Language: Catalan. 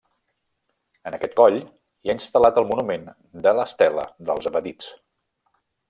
En aquest coll hi ha instal·lat el monument de l'Estela dels evadits.